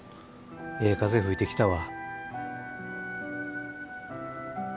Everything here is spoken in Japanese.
ええ風吹いてきたわ。